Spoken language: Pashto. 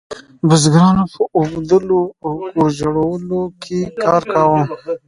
بزګرانو په اوبدلو او کور جوړولو کې کار کاوه.